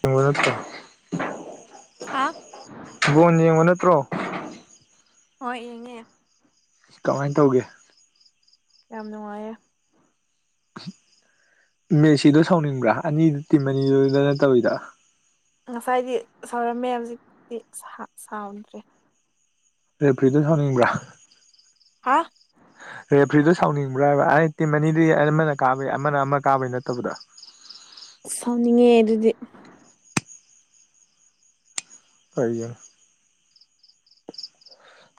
ꯌꯦꯡꯕ ꯅꯠꯇ꯭ꯔꯣ ꯍꯥ ꯕꯣꯟ ꯌꯦꯡꯕ ꯅꯠꯇ꯭ꯔꯣ ꯍꯣꯏ ꯌꯦꯡꯉꯦ ꯀꯃꯥꯏꯅ ꯇꯧꯒꯦ ꯌꯥꯝ ꯅꯨꯡꯉꯥꯏꯌꯦ ꯃꯦꯠꯁꯤꯗꯣ ꯁꯥꯎꯅꯤꯡꯕ꯭ꯔꯥ ꯑꯅꯤꯗꯨ ꯇꯤꯝ ꯑꯅꯤꯗꯨꯗ ꯅꯠꯇꯕꯤꯗ ꯉꯁꯥꯏꯗꯤ ꯁꯥꯎꯔꯝꯃꯦ ꯍꯧꯖꯤꯛꯇꯤ ꯁꯥꯎ ꯁꯥꯎꯗ꯭ꯔꯦ ꯔꯦꯐ꯭ꯔꯤꯗꯣ ꯁꯥꯎꯅꯤꯡꯕ꯭ꯔꯥ ꯍꯥꯥ ꯔꯦꯐ꯭ꯔꯤꯗ‌ꯣ ꯁꯥꯎꯅꯤꯡꯕ꯭ꯔꯥ ꯍꯥꯏꯕ ꯑꯩ ꯇꯤꯝ ꯑꯅꯤꯗꯨꯏ ꯑꯃꯥꯅ ꯀꯥꯕꯩ ꯑꯃꯥꯅ ꯑꯃꯥ ꯀꯥꯕꯩ ꯅꯠꯇꯕꯗ ꯁꯥꯎꯅꯤꯡꯉꯦ ꯑꯗꯨꯗꯤ ꯀꯩꯒꯤ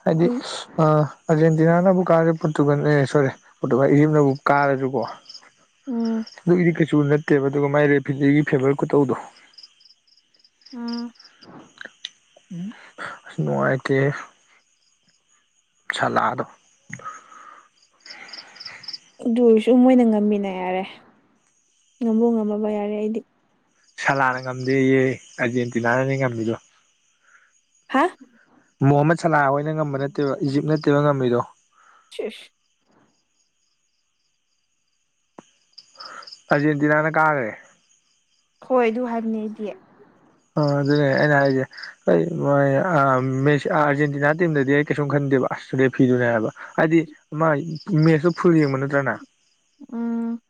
ꯍꯥꯏꯗꯤ ꯑꯗꯨꯝ ꯑꯥ ꯑꯔꯖꯦꯟꯇꯤꯅꯥꯅꯕꯨ ꯀꯥꯔ ꯄꯔ‌ꯣꯇꯨꯒꯟ ꯑꯦ ꯁꯣꯔ‌ꯦ ꯄꯔ‌ꯣꯇꯨꯒ ꯏꯖꯤꯞꯅ ꯕꯨ ꯀꯥꯔꯖꯨꯀꯣ ꯎꯝ ꯑꯗꯨꯒꯤꯗꯤ ꯀꯩꯁꯨ ꯅꯠꯇꯦꯕ ꯑꯗꯨꯒ ꯃꯥꯏ ꯔꯦꯐꯤꯖꯤꯒꯤ ꯐꯦꯕꯔ ꯈꯨꯇꯧꯗꯣ [unintelligible] ꯅꯨꯉꯥꯏꯇꯦꯍ‌ꯦ ꯁꯂꯥꯗꯣ ꯑꯗꯨ ꯑ‌ꯣꯏꯁꯨ ꯃꯣꯏꯅ ꯉꯝꯃꯤꯅ ꯌꯥꯔꯦ ꯉꯝꯕꯨ ꯉꯝꯃꯕ ꯌꯥꯔꯦ ꯑꯩꯗꯤ ꯁꯂꯥꯅ ꯉꯝꯗꯤꯌꯦ ꯑꯔꯖꯦꯟꯇꯤꯅꯥꯅꯅꯦ ꯉꯝꯃꯤꯗꯣ ꯍꯥ ꯃꯣꯍꯃꯠ ꯁꯂꯥ ꯍꯣꯏꯅ ꯉꯝꯕ ꯅꯠꯇꯦꯕ ꯏꯖꯤꯞ ꯅꯠꯇꯦꯕ ꯉꯝꯃꯤꯗꯣ [unintelligible] ꯑꯔꯖꯦꯟꯇꯤꯅꯥꯅ ꯀꯥꯒꯔ‌ꯦ ꯈ‌ꯣꯏ ꯑꯗꯨ ꯍꯥꯏꯕꯅ‌ꯦ ꯑꯩꯗꯤ ꯑ ꯑꯗꯨꯅꯦ ꯑꯩꯅ ꯍꯥꯏꯖ‌ꯦ ꯑꯩ ꯃꯣꯏ ꯑꯥ ꯃ‌ꯦꯁ ꯑꯥ ꯑꯥꯔꯖꯦꯟꯇꯤꯅꯥ ꯇꯤꯝꯗꯗꯤ ꯑꯩ ꯀꯩꯁꯨꯝ ꯈꯟꯗꯦꯕ ꯑꯁ ꯔ‌ꯦꯐꯤꯗꯨꯅꯦ ꯍꯥꯏꯕ ꯍꯥꯏꯗꯤ ꯃꯥꯏ ꯃꯦꯁꯇꯨ ꯐꯨꯜ ꯌ‌ꯦꯡꯕ ꯅꯇꯔꯥ ꯅꯥ ꯎꯝ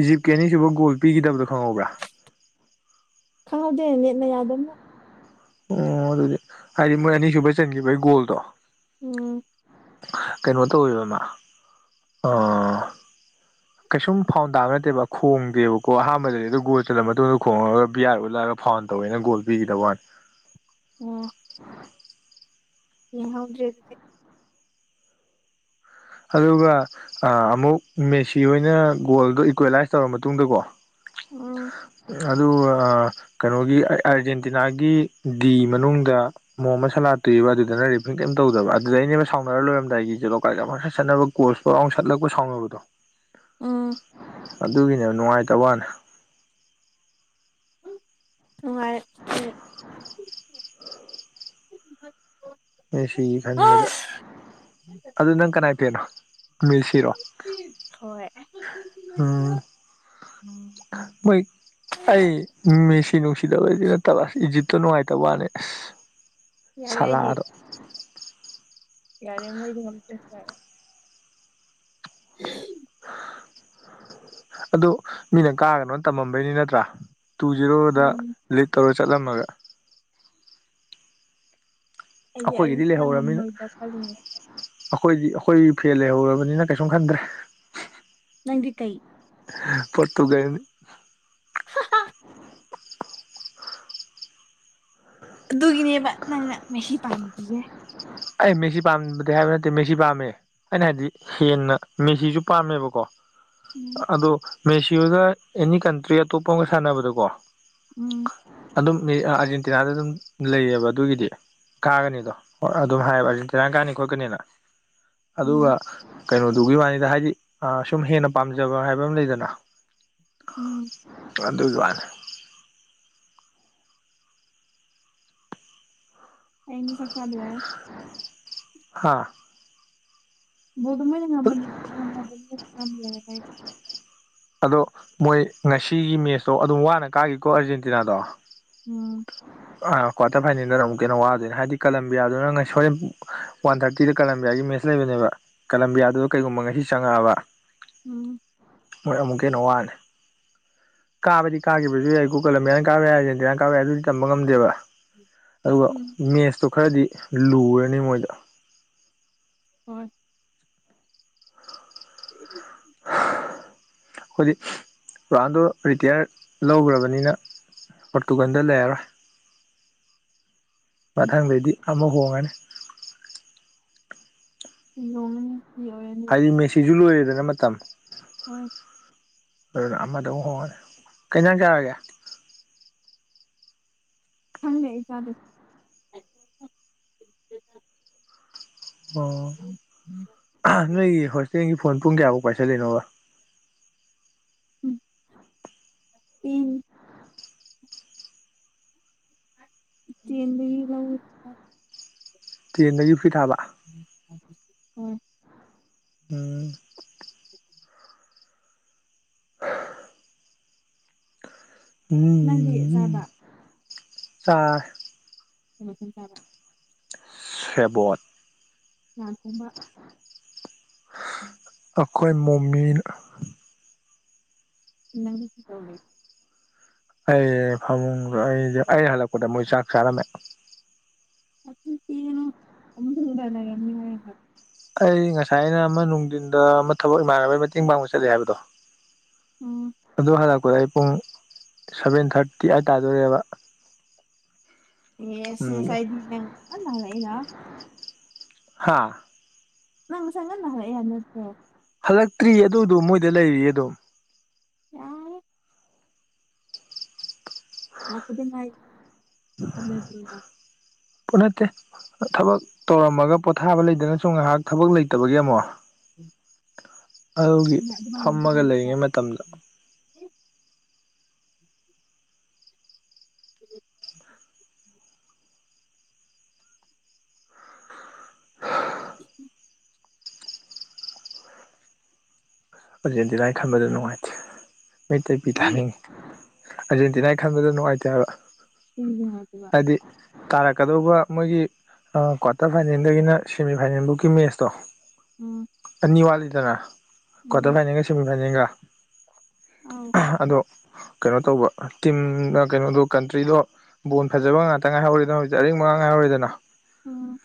ꯏꯖꯤꯞꯀꯤ ꯑꯅꯤꯁꯨꯕ ꯒꯣꯜ ꯄꯤꯒꯤꯗꯕꯗꯣ ꯈꯪꯍꯧꯕ꯭ꯔꯥ ꯈꯪꯍꯧꯗꯦ ꯅꯦꯠꯅ ꯌꯥꯗꯝꯅ ꯑꯣ ꯑꯗꯨꯗꯤ ꯍꯥꯏꯗꯤ ꯃꯣꯏ ꯑꯅꯤꯁꯨꯕꯩ ꯆꯟꯒꯤꯕꯩ ꯒꯣꯜꯗꯣ ꯎꯝ ꯀꯩꯅꯣ ꯇꯧꯋ‌ꯦꯕ ꯃꯥ ꯑꯥ ꯀꯩꯁꯨꯝ ꯐꯥꯎꯟ ꯇꯥꯕ ꯅꯠꯇꯦꯕ ꯈꯣꯡꯗꯦꯕꯀꯣ ꯑꯍꯥꯟꯕꯗꯗꯤ ꯑꯗꯨ ꯒꯣꯜ ꯆꯜꯂ ꯃꯇꯨꯡ ꯈꯣꯡꯉꯒ ꯕꯤ ꯑꯥꯔ ꯎꯠꯂꯒ ꯐꯥꯎꯟ ꯇꯧꯋꯦꯅ ꯒꯣꯜ ꯄꯤꯒꯤꯗꯕꯋꯥꯟ ꯑꯣ [inaudible] ꯌꯦꯡ ꯍꯧꯗ꯭ꯔꯦ ꯑꯗꯨꯗꯤ ꯑꯗꯨꯒ ꯑꯥ ꯑꯃꯨꯛ ꯃꯦꯁꯤ ꯍ‌ꯣꯏꯅ ꯒꯣꯜꯗꯣ ꯏꯀ꯭ꯋꯦꯂꯥꯏꯁ ꯇꯧꯔ ꯃꯇꯨꯡꯗ ꯀꯣ ꯎꯝ ꯑꯗꯨꯒ ꯀꯩꯅꯣꯒꯤ ꯑꯔꯖꯦꯟꯇꯤꯅꯥꯒꯤ ꯗꯤ ꯃꯅꯨꯡꯗ ꯃꯣꯃꯥ ꯃꯁꯂꯥ ꯇꯨꯏꯕ ꯑꯗꯨꯗꯅ ꯔ‌ꯦꯐꯔꯤ ꯀꯩꯝ ꯇꯧꯗꯕ ꯑꯗꯨꯗꯩꯅꯅꯦꯕ ꯁꯥꯎꯅꯔ ꯂꯣꯏꯔꯝꯗꯥꯏꯒꯤꯖ‌ꯦ [unintelligible] ꯁꯟꯅꯕ ꯀꯣꯔꯁ ꯐꯥꯎ ꯌꯥꯎꯟ ꯁꯠꯂꯛꯄ ꯁꯥꯎꯅꯕꯗꯣ ꯑꯥ ꯑꯗꯨꯒꯤꯅꯦꯕ ꯅꯨꯡꯉꯥꯏꯇꯕꯋꯥꯅꯦ ꯅꯨꯡꯉꯥꯏ [inaudible] ꯃ‌ꯦꯁꯤꯒꯤ ꯈꯟꯕꯗ ꯑꯗꯨ ꯅꯪ ꯀꯅꯥꯏ ꯐ‌ꯦꯟꯅꯣ ꯃ‌ꯦꯁꯤꯔꯣ ꯇꯤꯞ ꯊ‌ꯣꯏ [unintelligible] ꯃꯣꯏ ꯑꯩ ꯃꯦꯁꯤ ꯅꯨꯡꯁꯤꯗꯕꯩ ꯗꯤ ꯅꯠꯇꯕ ꯏꯛꯖꯤꯠ ꯇꯨ ꯅꯨꯉꯥꯏꯇꯕꯋꯥꯅꯦ ꯑꯁ ꯌꯥꯔꯦ ꯑꯩꯗꯤ ꯁꯂꯥꯗꯣ ꯌꯥꯔꯦ ꯃꯣꯏꯗꯤ ꯉꯝꯇꯔꯦ ꯎꯝ ꯑꯗꯨ ꯃꯤꯅ ꯀꯥꯒꯅꯣ ꯇꯝꯃꯝꯕꯩꯅꯤ ꯅꯠꯇ꯭ꯔꯥ ꯇꯨ ꯖꯤꯔꯣꯗ ꯎꯝ ꯂꯤꯠ ꯇꯧꯔ ꯆꯠꯂꯝꯃꯒ ꯑꯩꯗꯤ ꯑꯩꯈꯣꯏꯒꯤꯗꯤ ꯑꯥꯔꯖꯦꯟꯇꯤꯅꯥ ꯂꯩꯍꯧꯔꯝꯃꯤꯅ ꯉꯝꯃꯣꯏꯗ꯭ꯔꯥ ꯈꯜꯂꯤꯅꯦ ꯑꯩꯈꯣꯏꯗꯤ ꯑꯩꯈꯣꯏ ꯐꯦꯜ ꯂꯩꯍꯧꯔꯕꯅꯤꯅ ꯀꯩꯁꯨꯝ ꯈꯟꯗ꯭ꯔꯦ ꯅꯪꯗꯤ ꯀꯩ ꯄꯣꯔꯇꯨꯒꯟ ꯍꯥꯍꯥ ꯑꯗꯨꯒꯤꯅꯦꯕ ꯅꯪꯅ ꯃꯦꯁꯤ ꯄꯥꯝꯗꯤꯖꯦ ꯑꯩ ꯃꯦꯁꯤ ꯄꯥꯝꯗꯦ ꯍꯥꯏꯕ ꯅꯠꯇꯦ ꯃꯦꯁꯤ ꯄꯥꯝꯃꯦ ꯑꯩꯅ ꯍꯥꯏꯕꯗꯤ ꯍꯦꯟꯅ ꯃꯦꯁꯤꯁꯨ ꯄꯥꯝꯃꯦꯕꯀꯣ ꯎꯝ ꯑꯗꯣ ꯃꯦꯁꯤꯍꯣꯢꯒ ꯑꯦꯅꯤ ꯀꯟꯇ꯭ꯔꯤ ꯑꯇꯣꯞꯄ ꯑꯃꯒ ꯁꯥꯟꯅꯕꯗꯀꯣ ꯎꯝ ꯑꯗꯨꯝ ꯃꯤ ꯑ ꯑꯥꯔꯖꯦꯟꯇꯤꯅꯥꯗ ꯑꯗꯨꯝ ꯂꯩꯌꯦꯕ ꯑꯗꯨꯒꯤꯗꯤ ꯀꯥꯒꯅꯤꯗꯣ ꯑꯗꯨꯝ ꯍꯥꯏꯌꯦꯕ ꯑꯥꯔꯖꯦꯟꯇꯤꯅꯥ ꯀꯥꯅꯤ ꯈꯣꯠꯀꯅꯤꯅ ꯑꯗꯨꯒ ꯎꯝ ꯀꯩꯅꯣꯗꯨꯒꯤ ꯋꯥꯅꯤꯗ ꯍꯥꯏꯗꯤ ꯑ ꯁꯨꯝ ꯍꯦꯟꯅ ꯄꯥꯝꯖꯕ ꯍꯥꯏꯕ ꯑꯃ ꯂꯩꯗꯅ ꯎꯝ ꯑꯗꯨꯒꯤ ꯋꯥꯅꯦ ꯍꯌꯦꯡ ꯗꯤ ꯆꯥꯛ ꯆꯥꯕꯥ ꯌꯥꯏ ꯍꯥꯥ ꯕꯣꯟꯗꯣ ꯃꯣꯢꯅ ꯉꯝꯕꯗꯤ ꯉꯝꯃꯦ ꯉꯝꯃꯦ ꯍꯥꯢꯗ ꯑꯗꯣ ꯃꯣꯏ ꯉꯁꯤꯒꯤ ꯃꯦꯠꯁꯇꯣ ꯑꯗꯨꯝ ꯋꯥꯅ ꯀꯥꯒꯤꯀꯣ ꯑꯥꯔꯖꯦꯟꯇꯤꯅꯥꯗꯣ ꯎꯝ [unintelligible] ꯑ ꯀ꯭ꯋꯥꯔꯇꯔ ꯐꯥꯏꯅꯦꯜꯗꯅ ꯑꯃꯨꯛꯀ ꯍꯦꯟꯅ ꯋꯥꯗꯣꯏꯅꯦ ꯍꯥꯏꯗꯤ ꯀꯂꯝꯕꯤꯌꯥꯗꯨꯅ ꯉꯁ ꯍꯣꯔꯦꯟ ꯋꯥꯟ ꯊꯥꯔꯇꯤꯗ ꯀꯂꯝꯕꯤꯌꯥꯒꯤ ꯃꯦꯠꯁ ꯁꯤ ꯂꯩꯕꯅꯦꯕ ꯀꯂꯝꯕꯤꯌꯥꯗꯨꯅ ꯀꯩꯒꯨꯝꯕ ꯉꯁꯤ ꯆꯪꯉꯛꯑꯕ ꯎꯝ ꯃꯣꯏ ꯑꯃꯨꯛꯀ ꯍꯦꯟꯅ ꯋꯥꯅꯤ ꯀꯥꯕꯗꯤ ꯀꯥꯒꯤꯕꯖꯨ ꯌꯥꯏ ꯀꯣ ꯀꯂꯝꯕꯤꯌꯥꯅ ꯀꯥꯕ ꯌꯥꯏ ꯑꯖꯦꯟꯇꯤꯅꯅ ꯀꯥꯕ ꯌꯥꯏ ꯑꯗꯨꯗꯤ ꯇꯝꯕ ꯉꯝꯗꯦꯕ ꯑꯗꯨꯒ ꯎꯝ ꯃꯦꯁꯇꯣ ꯈꯔꯗꯤ ꯂꯨꯔꯅꯤ ꯃꯣꯏꯗ ꯍꯣꯏ ꯑꯩꯈꯣꯏꯗꯤ ꯔꯣꯑꯟꯗꯣ ꯔꯤꯇꯤꯌꯥꯔ ꯂꯧꯒ꯭ꯔꯕꯅꯤꯅ ꯄꯣꯔꯇꯨꯒꯜꯗ ꯂꯩꯔꯔꯣꯏ ꯃꯊꯪꯗꯩꯗꯤ ꯑꯃ ꯍꯣꯡꯉꯅꯤ ꯌꯨꯝꯅꯤ ꯃꯤꯑꯣꯢꯔꯅꯤ ꯗꯤ ꯃꯦꯁꯤꯁꯨ ꯂꯣꯏꯔꯦꯗꯅ ꯃꯇꯝ ꯍꯣꯏ ꯑꯗꯨꯅ ꯑꯃꯗ ꯑꯃꯨꯛ ꯍꯣꯡꯉꯅꯤ ꯀꯩ ꯏꯟꯖꯥꯡ ꯆꯔꯒꯦ ꯊꯪꯗꯦ ꯑꯩ ꯆꯥꯗꯦ ꯑꯣ ꯅꯣꯏꯒꯤ ꯍꯣꯁꯇꯦꯜꯒꯤ ꯐꯣꯟ ꯄꯨꯡ ꯀꯌꯥꯕꯧ ꯄꯥꯏꯁꯜꯂꯤꯅꯣꯕ ꯢꯝ ꯇꯦꯟꯗꯒꯤ ꯂꯧꯋꯤ ꯇꯦꯟꯗꯒꯤ ꯐ꯭ꯔꯤ ꯊꯥꯕ ꯎꯝ ꯎꯝ [inaudible] ꯅꯪꯗꯤ ꯆꯥꯔꯕ ꯑ [unintelligible] ꯁꯦꯕꫭꯠ ꯂꯥꯟ ꯇꯝꯕ ꯑꯩꯈꯣꯏ ꯃꯣꯃꯤꯅ ꯅꯪꯗꯤ ꯀꯧꯗꯧꯔꯤꯕ ꯑꯩ ꯐꯃꯨꯡꯗ ꯑꯩ ꯍꯜꯂꯛꯄꯗ ꯃꯣꯏ ꯆꯥꯛ ꯆꯥꯔꯝꯃꯦ ꯅꯆꯤꯟ ꯊꯤꯒꯅꯨ ꯐꯃꯨꯡꯗ ꯂꯩꯔꯝꯅꯤ ꯍꯥꯏꯔꯒ ꯑꯩ ꯉꯁꯥꯏꯅ ꯑꯃ ꯅꯨꯡꯊꯤꯟꯗ ꯑꯃ ꯊꯕꯛ ꯏꯃꯥꯟꯅꯕꯒꯤ ꯃꯇꯦꯡ ꯄꯥꯡꯕ ꯆꯠꯂꯤ ꯍꯥꯏꯕꯗꯣ ꯎꯝ ꯑꯗꯨ ꯍꯜꯂꯛꯄꯗ ꯑꯩ ꯄꯨꯡ ꯁꯚꯦꯟ ꯊꯥꯔꯇꯤ ꯑꯥꯏꯠ ꯇꯥꯗꯣꯔꯦꯕ ꯑꯦꯁ ꯎꯝ ꯉꯁꯥꯏꯗꯤ ꯅꯪ ꯉꯟꯅ ꯍꯜꯂꯛꯏꯅ ꯍꯥꯥ ꯅꯪ ꯉꯁꯥꯏ ꯉꯟꯅ ꯍꯜꯂꯛꯏ ꯍꯥꯏꯕ ꯅꯠꯇ꯭ꯔꫭ ꯍꯜꯂꯛꯇ꯭ꯔꯤ ꯑꯗꯨꯗꯨ ꯃꯣꯏꯗ ꯂꯩꯔꯤꯌꯦ ꯑꯗꯨꯝ [inaudible] ꯍꯜꯂꯛꯄꯗ ꯉꯥꯏ [inaudible] ꯅꯠꯇꯦ ꯊꯕꯛ ꯇꯧꯔꯝꯃꯒ ꯄꯣꯊꯥꯕ ꯂꯩꯗꯅꯁꯨꯝ ꯉꯥꯏꯍꯥꯛ ꯊꯕꯛ ꯂꯩꯇꯕꯒꯤ ꯑꯃꯨꯛ ꯑꯗꯨꯒꯤ ꯅꯪ ꯑꯗꯨꯃꯥꯏꯅꯗꯤ ꯐꯝꯃꯒ ꯍꯥꯏꯗꯦꯗ ꯂꯩꯔꯤꯉꯩ ꯃꯇꯝꯗꫭ ꯀꯔꯤ [inaudible] [inaudible] ꯑꯥꯔꯖꯦꯟꯇꯤꯅꯥꯏ ꯈꯟꯕꯗ ꯅꯨꯡꯉꯥꯏꯇꯦ ꯃꯤꯠꯇꯩ ꯄꯤ [unintelligible] ꯑꯥꯔꯖꯦꯟꯇꯤꯅꯥꯒꯤ ꯈꯟꯕꯗ ꯅꯨꯡꯉꯥꯏꯇꯦ ꯍꯥꯏꯕ ꯀꯩꯒꯤ ꯅꯨꯉꯥꯏꯇ꯭ꯔꯤꯕ ꯍꯥꯏꯗꯤ ꯇꯥꯔꯛꯀꯗꯧꯕ ꯃꯣꯏꯒꯤ ꯑ ꯀ꯭ꯋꯥꯔꯇꯔ ꯐꯥꯏꯅꯦꯜꯗꯒꯤꯅ ꯁꯦꯃꯤ ꯐꯥꯏꯅꯦꯜꯐꯧꯀꯤ ꯃꯦꯠꯁꯇꯣ ꯎꯝ ꯑꯅꯤ ꯋꯥꯠꯂꯤꯗꯅ ꯀ꯭ꯋꯥꯇꯔ ꯎꯝ ꯐꯥꯏꯅꯦꯜꯒ ꯁꯦꯃꯤ ꯐꯥꯏꯅꯦꯜꯒ ꯑꯥꯎ ꯑꯗꯣ ꯀꯩꯅꯣ ꯇꯧꯕ ꯇꯤꯝꯅ ꯀꯩꯅꯣꯗꯣ ꯀꯟꯇ꯭ꯔꯤꯗꯣ ꯕꯣꯟ ꯐꯖꯕ ꯉꯥꯛꯇ ꯉꯥꯏꯍꯧꯔꯦ ꯑꯗꯨꯅ ꯍꯧꯖꯤꯛ ꯑꯔꯤꯡꯕ ꯉꯥꯛ ꯉꯥꯏꯍꯧꯔꯦꯗꯅ ꯎꯝ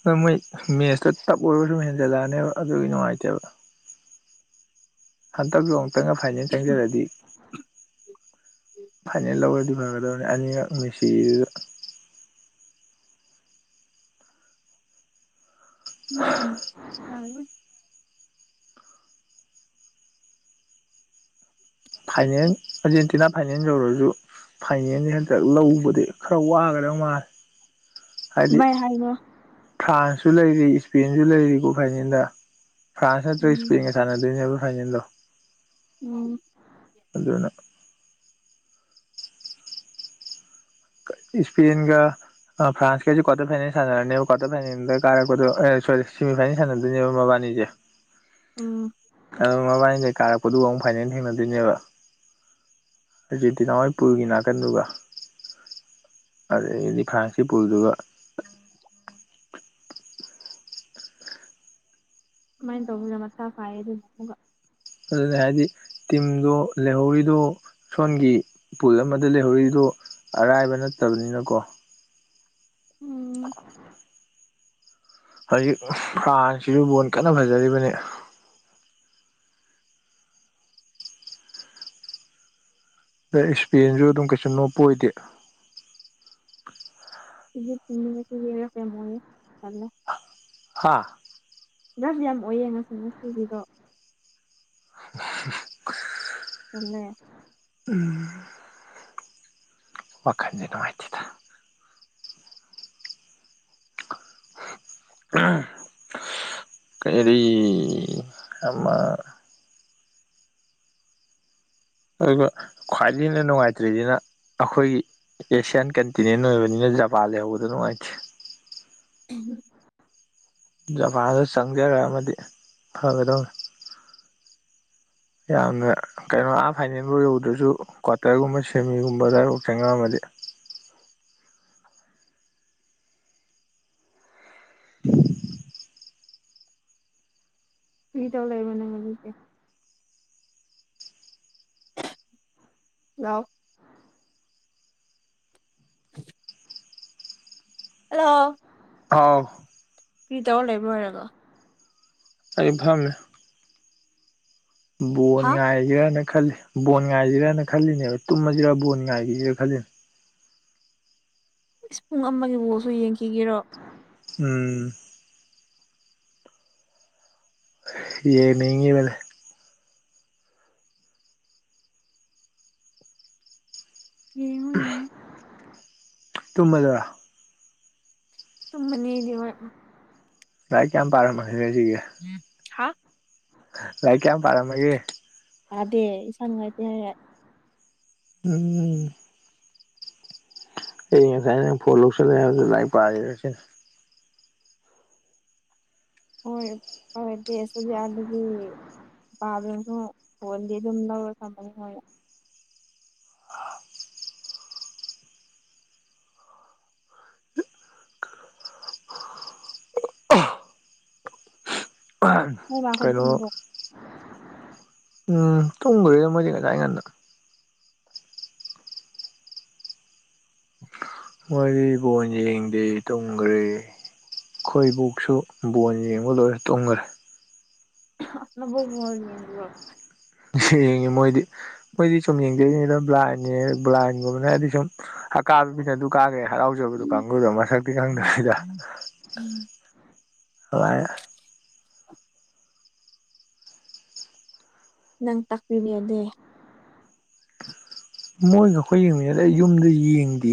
ꯑꯗ ꯃꯣꯏ ꯃꯦꯠꯁꯇ ꯇꯞ ꯑꯣꯏꯔ ꯁꯨꯝ ꯍꯦꯟꯖꯜꯂꯛꯑꯅꯦꯕ ꯑꯗꯨꯒꯤ ꯅꯨꯡꯉꯥꯏꯇꯦꯕ ꯍꯟꯗꯛꯇꯁꯨ ꯑꯃꯨꯛꯇꯪꯒ ꯐꯥꯏꯅꯦꯜ ꯆꯪꯖꯔꯗꯤ ꯐꯥꯏꯅꯦꯜ ꯂꯧꯔꯗꯤ ꯐꯒꯗꯧꯅꯤ ꯑꯅꯤꯔꯛ ꯃꯦꯁꯤ ꯎꯝ [unintelligible] ꯐꯥꯏꯅꯦꯟ ꯑꯥꯔꯖꯦꯟꯇꯤꯅꯥ ꯐꯥꯏꯅꯦꯟꯁ ꯌꯧꯔꯁꯨ ꯐꯥꯏꯅꯦꯜꯁꯦ ꯍꯟꯛꯇꯛ ꯂꯧꯕꯗꯤ ꯈꯔ ꯋꯥꯒꯗꯕ ꯃꯥꯜꯂꯦ ꯍꯥꯏꯗꯤ ꯍꯥꯏꯒꯅꯣ ꯐ꯭ꯔꯥꯟꯁꯁꯨ ꯂꯩꯔꯤ ꯏꯁꯄꯦꯟꯁꯨ ꯂꯩꯔꯤꯀꯣ ꯐꯥꯏꯂꯦꯟꯗ ꯐ꯭ꯔꯥꯟꯁ ꯅꯠꯇ꯭ꯔꯒ ꯎꯝ ꯏꯁꯄꯦꯟꯒ ꯁꯥꯟꯅꯗꯨꯏꯅꯦꯕ ꯐꯥꯏꯅꯦꯜꯗꯣ ꯎꯝ ꯑꯗꯨꯅ ꯏꯁ꯭ꯄꯦꯟꯒ ꯑ ꯐ꯭ꯔꯥꯟꯀꯖꯦ ꯀ꯭ꯋꯥꯇꯔ ꯐꯥꯏꯅꯦꯜ ꯁꯥꯟꯅꯔꯅꯦꯕ ꯀ꯭ꯋꯥꯔꯇꯔ ꯐꯥꯏꯅꯦꯜꯗ ꯀꯥꯔꯛꯄꯗ ꯑꯦ ꯁꯣꯔꯤ ꯁꯦꯃꯤ ꯐꯥꯏꯅꯦꯜ ꯁꯥꯟꯅꯗꯣꯏꯅꯦꯕ ꯃꯕꯥꯟꯅꯤꯖꯦ [inaudible] ꯎꯝ ꯑꯗꯨ ꯃꯕꯥꯟꯅꯤꯗꯩ ꯀꯥꯔꯛꯄꯗꯨꯒ ꯑꯃꯨꯛ ꯐꯥꯏꯅꯦꯜ ꯊꯦꯡꯅꯗꯣꯏꯅꯦꯕ ꯑꯖꯦꯟꯇꯤꯅꯥꯍꯣꯏꯄꯨꯜꯒꯤ ꯅꯥꯀꯟꯗꯨꯒ ꯑꯗꯒꯤꯗꯤ ꯐ꯭ꯔꯥꯟꯁꯀꯤ ꯄꯨꯜꯗꯨꯒ ꯑꯗꯨꯃꯥꯢ ꯇꯧꯕꯗꯨꯅ ꯃꯊꯥ ꯁꯥꯏꯌꯦ ꯑꯗꯨꯅ ꯑꯃꯨꯛꯒ ꯑꯗꯨꯅ ꯍꯥꯏꯗꯤ ꯇꯤꯝꯗꯣ ꯂꯩꯍꯧꯔꯤꯗꯣ ꯁꯣꯟꯒꯤ ꯄꯨꯜ ꯑꯃꯗ ꯂꯩꯍꯧꯔꯤꯗꯣ ꯑꯔꯥꯏꯕ ꯅꯠꯇꯕꯅꯤꯅꯀꯣ ꯎꯝ [inaudible] ꯍꯧꯖꯤꯛ ꯐ꯭ꯔꯥꯟꯁꯤꯁꯨ ꯕꯣꯜ ꯀꯟꯅ ꯐꯖꯔꯤꯕꯅꯦ ꯑꯗꯨ ꯁ꯭ꯄꯦꯟꯖꯨ ꯑꯗꯨꯝ ꯀꯩꯁꯨ ꯅꯣꯞꯄ ꯑꯣꯏꯗꯦ ꯁꯤ [unintelligible] ꯊꯂꯤ [unintelligible] ꯆꯒꯤꯔ [unintelligible] ꯍꯥꯏꯌꯦ ꯇꯜꯂꯦ ꯍꯥꯥ ꯂꯝ ꯌꯥꯝ ꯑꯣꯏꯌꯦ ꯉꯁꯤ ꯃꯦꯁꯤꯒꯤꯗꯣ ꯍ [inaudible] ꯆꯨꯝꯃꯦ ꯎꯝ ꯋꯥꯈꯟꯖꯦ ꯅꯨꯡꯉꯥꯏꯇꯦꯗ ꯎꯝ ꯀꯔꯤ ꯑꯃ ꯑꯗꯨꯒ ꯈ꯭ꯋꯥꯏꯗꯒꯤ ꯍꯦꯟꯅ ꯅꯨꯡꯉꯥꯏꯇ꯭ꯔꯤꯖꯤꯅ ꯑꯈꯣꯏꯒꯤ ꯑꯦꯁꯤꯌꯥꯟ ꯀꯟꯇꯤꯅꯦꯟ ꯑꯣꯏꯕꯅꯤꯅ ꯖꯄꯥꯟ ꯂꯩꯍꯧꯕꯗꯣ ꯅꯨꯡꯉꯥꯏꯇꯦ ꯎꯝ ꯖꯄꯥꯟꯗꯣ ꯆꯪꯖꯔꯛꯑꯝꯃꯗꯤ ꯐꯒꯗꯧꯅꯤ ꯌꯥꯝꯅ ꯀꯩꯅꯣ ꯑꯥ ꯐꯥꯏꯅꯦꯜꯕꯧ ꯌꯧꯗ꯭ꯔꯁꯨ ꯀ꯭ꯋꯥꯇꯔꯒꯨꯝꯕ ꯁꯦꯃꯤꯒꯨꯝꯕ ꯑꯗꯥꯏꯕꯨ ꯆꯪꯉꯛꯑꯝꯃꯗꯤ [inaudible] ꯀꯔꯤ ꯗꯧ ꯂꯩꯕ꯭ꯔꯥ ꯅꯪ ꯑꯗꯨꯗꯤ [unintelligible] [inaudible] ꯍꯜꯂꯣ ꯍꯥꯎ ꯀꯔꯤ ꯗꯧꯔ ꯂꯩꯕ꯭ꯔꯣ ꯍꯥꯏꯔꯒ ꯑꯩ ꯐꯝꯃꯤ ꯕꯣꯟ ꯍꯥ ꯉꯥꯏꯖꯤꯔꯅ ꯈꯜꯂꯤ ꯕꯣꯟ ꯉꯥꯏꯖꯤꯔꯅ ꯈꯜꯂꯤꯅꯦꯕ ꯇꯨꯝꯃꯖꯤꯔꯥ ꯕꯣꯟ ꯉꯥꯏꯖꯤꯔ ꯈꯜꯂꯤ ꯏꯁ ꯄꯨꯡ ꯑꯃꯒꯤ ꯕꯣꯜꯁꯨ ꯌꯦꯡꯈꯤꯒꯦꯔꯣ ꯎꯝ ꯌꯦꯡꯅꯤꯡꯉꯤꯕꯅꯦ ꯌꯦꯡꯉꯣ ꯎꯝ ꯌꯦꯡꯉꯣ ꯇꯨꯝꯃꯗꯔꯥ ꯇꯨꯝꯃꯅꯤ ꯑꯩꯗꯤ ꯍꯣꯏ ꯂꯥꯏꯔꯤꯛ ꯀꯌꯥꯝ ꯄꯥꯔꯝꯃꯒꯦ ꯉꯁꯤꯒꯤ ꯎꯝ ꯍꯥ ꯂꯥꯏꯛ ꯀꯌꯥꯝ ꯄꯥꯔꯝꯃꯒꯦ ꯄꯥꯗꯦ ꯏꯁꯥ ꯅꯨꯡꯉꯥꯏꯇꯦ ꯍꯥꯏꯔ ꯎꯝ ꯑꯩꯗꯤ ꯉꯁꯥꯏ ꯅꯪ ꯐꯣꯟ ꯂꯧꯁꯜꯂꯦ ꯍꯥꯏꯕꯗꯨ ꯂꯥꯏꯔꯤꯛ ꯄꯥꯏꯔ ꯁꯤꯅꯤ ꯍꯣꯏ [unintelligible] ꯄꯥꯗꯔꯁꯨ ꯐꯣꯟꯗꯤ ꯑꯗꯨꯝ ꯂꯧꯔ ꯊꯝꯃꯅꯤ ꯍꯣꯏ ꯀꯩꯅꯣ [unintelligible] ꯎꯝ ꯇꯨꯡꯒꯔꯦ ꯃꯣꯏꯗꯤ ꯉꯁꯥꯏ ꯑꯩ ꯉꯥꯟꯅ ꯃꯗꯤ ꯐꯣꯟ ꯌꯦꯡꯗꯦ ꯇꯨꯝꯒ꯭ꯔꯦ ꯈꯣꯏꯕꯣꯛꯁꯨ ꯕꯣꯟ ꯌꯦꯡꯕ ꯂꯣꯏꯔ ꯇꯣꯡꯈ꯭ꯔꯦ ꯍꯥ ꯅꯕꯣꯛ ꯕꯣꯟ ꯌꯦꯡꯕꯔꯣ ꯌꯦꯡꯉꯤ ꯃꯣꯏꯗꯤ ꯃꯣꯏꯗꯤ ꯁꯨꯝ ꯌꯦꯡꯖꯩꯅꯤꯗ ꯕ꯭ꯂꯥꯏꯟꯅꯦ ꯕ꯭ꯂꯥꯏꯟꯒꯨꯝꯕꯅꯦꯗꯤ ꯁꯨꯝ ꯑꯀꯥꯕ ꯃꯤꯅ ꯑꯗꯨ ꯀꯥꯒ꯭ꯔꯦ ꯍꯔꯥꯎꯖꯕꯗꯣ ꯀꯥꯡꯒꯨꯗꯣ ꯃꯁꯛꯇꯤ ꯈꯪꯗꯕꯤꯗ ꯑꯗꯨꯃꯥꯏꯅ ꯅꯪ ꯇꯥꯛꯄꯤꯕꯗꯦ ꯃꯣꯏꯒ ꯑꯩꯈꯣꯏ ꯌꯦꯡꯃꯤꯟꯅꯦ ꯑꯩ ꯌꯨꯝꯗ ꯌꯦꯡꯗꯦ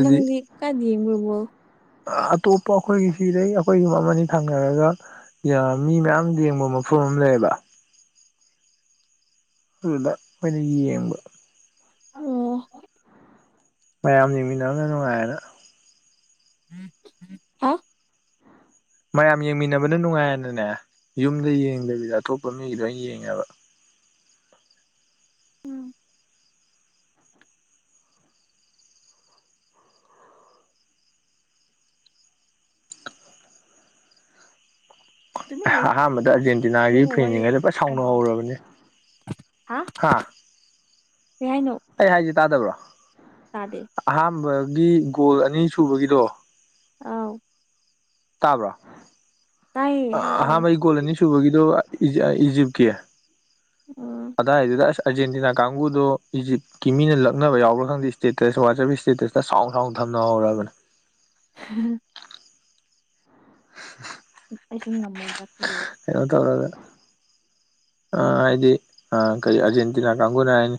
ꯅꯪꯗꯤ ꯀꯥꯏꯗ ꯌꯦꯡꯕ ꯕꯣꯜ ꯑꯇꯣꯞꯄ ꯑꯩꯈꯣꯏꯒꯤ ꯁꯤꯗꯩ ꯑꯩꯈꯣꯏꯒꯨꯝ ꯑꯃꯅꯤ ꯊꯪꯅꯔꯒ ꯌꯥꯝ ꯃꯤ ꯃꯌꯥꯝ ꯌꯦꯡꯕ ꯃꯐꯝ ꯑꯃ ꯂꯩꯌꯦꯕ ꯗꯨꯗ ꯑꯩꯅ ꯌꯦꯡꯕ ꯍꯥꯜꯂꯣ ꯃꯌꯥꯝ ꯌꯦꯅꯡꯃꯤꯟꯅꯕꯅ ꯅꯨꯡꯉꯥꯏꯔꯅ [unintelligible] ꯃꯌꯥꯝ ꯌꯦꯡꯃꯤꯟꯅꯕꯅ ꯅꯨꯡꯉꯥꯏꯅꯅꯦ ꯌꯨꯝꯗ ꯌꯦꯡꯗꯕꯤꯗ ꯑꯇꯣꯞꯄ ꯃꯤꯒꯤ ꯂꯣꯏꯅ ꯌꯦꯡꯉꯦꯕ ꯎꯝ ꯇꯨꯃꯤꯟ ꯑꯍꯥꯟꯕꯗ ꯑꯥꯔꯖꯦꯟꯇꯤꯅꯥꯒꯤ ꯂꯩꯒꯅꯨ ꯋꯥꯔꯤ ꯐꯦꯟꯁꯤꯉꯩꯗꯣ ꯐꯅ ꯁꯥꯎꯅ ꯍꯥꯏꯔꯛꯑꯣ ꯍꯧꯔꯕꯅꯤ ꯍꯥ ꯀꯩꯍꯥꯏꯅꯣ ꯑꯩ ꯍꯥꯏꯁꯤ ꯇꯥꯗꯕ꯭ꯔꯣ ꯇꯗꯦ ꯑꯍꯥꯝꯕꯒꯤ ꯒꯣꯜ ꯑꯅꯤ ꯁꯨꯕꯒꯤꯗꯣ ꯑꯥꯎ ꯇꯥꯕ꯭ꯔꯥ ꯇꯥꯏꯌꯦ ꯍꯥꯏꯔꯛꯑꯣ ꯑꯍꯥꯝꯕꯒꯤ ꯒꯣꯜ ꯑꯅꯤ ꯁꯨꯕꯒꯤꯗꯣ ꯏꯖꯤ ꯏꯖꯤꯞꯀꯤ ꯑꯣ ꯑꯗꯥꯏꯗꯨꯗ ꯑꯁ ꯑꯥꯔꯖꯦꯟꯇꯤꯅꯥ ꯀꯥꯡꯕꯨꯗꯣ ꯏꯖꯤꯞꯀꯤ ꯃꯤꯅ ꯂꯛꯅꯕ ꯌꯥꯎꯕꯥꯔ ꯈꯪꯗꯦ ꯏꯁꯇꯦꯇꯁ ꯋꯥꯆꯞ ꯏꯁꯇꯦꯇꯁ ꯁꯥꯎꯟ ꯁꯥꯎꯟ ꯊꯝꯅꯍꯧꯔꯕꯅꯦ [unintelligible] [unintelligible] ꯑꯩꯁꯨꯝ ꯉꯝꯃ ꯆꯥꯛ [unintelligible] [unintelligible] ꯍꯥꯏꯗꯤ ꯑ ꯀꯔꯤ ꯑꯔꯖꯦꯟꯇꯤꯅꯥ ꯀꯥꯡꯕꯨꯅ ꯍꯥꯏꯅ